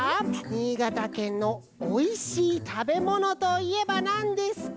新潟県のおいしいたべものといえばなんですか？